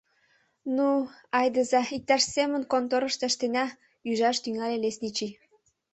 Ну, айдыза, иктаж семын конторышто ыштена, — ӱжаш тӱҥале лесничий.